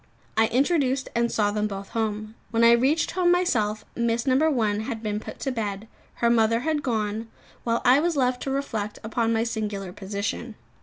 I introduced and saw them both home. When I reached home myself, Miss. No. 1 had been put to bed; her mother had gone, while I was left to reflect upon my singular position.